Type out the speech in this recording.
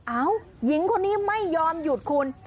หญิงคนนี้ไม่ยอมหยุดคุณ